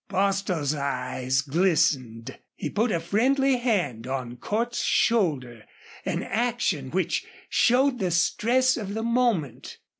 Bostil's eyes glistened. He put a friendly hand on Cordts's shoulder, an action which showed the stress of the moment.